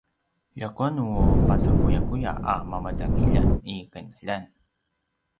ljakua nu pasakuyakuya a mamazangiljan i qinaljan